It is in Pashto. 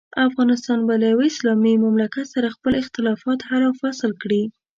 افغانستان به له یوه اسلامي مملکت سره خپل اختلافات حل او فصل کړي.